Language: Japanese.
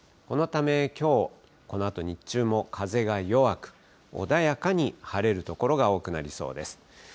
このため、きょう、このあと日中も風が弱く、穏やかに晴れる所が多くなりそうです。